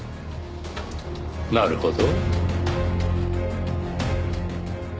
なるほど。